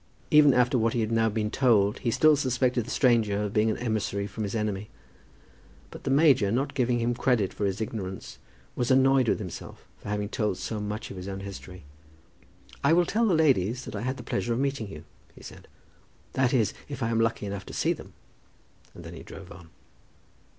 Even after what he had now been told, he still suspected the stranger of being an emissary from his enemy; but the major, not giving him credit for his ignorance, was annoyed with himself for having told so much of his own history. "I will tell the ladies that I had the pleasure of meeting you," he said; "that is, if I am lucky enough to see them." And then he drove on.